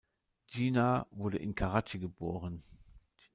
Jinnah wurde in Karatschi geboren.